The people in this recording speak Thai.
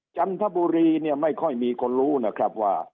จันทบุรีเนี่ยไม่ค่อยมีคนรู้นะครับว่า